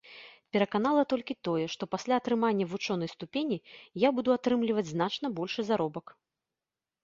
Пераканала толькі тое, што пасля атрымання вучонай ступені я буду атрымліваць значна большы заробак.